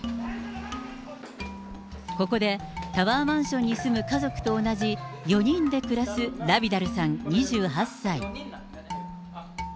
ここで、タワーマンションに住む家族と同じ４人で暮らすラビダルさん２８歳。